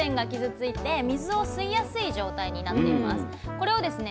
これをですね